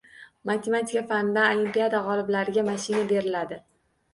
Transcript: Matematika fanidan olimpiada gʻoliblariga mashina beriladi!